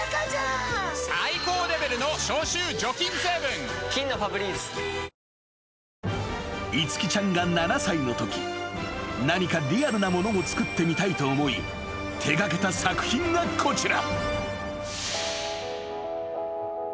缶コーヒーの「ＢＯＳＳ」［樹ちゃんが７歳のとき何かリアルなものを作ってみたいと思い手掛けた作品がこちら］